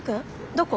どこ？